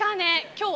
今日